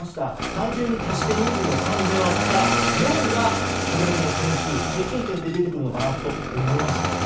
単純に足して人数の３で割った４が食べログの点数平均点で出るのかと思いますよね。